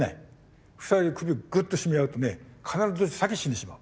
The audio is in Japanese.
２人で首をぐっと絞め合うとね必ずどっちか先に死んでしまう。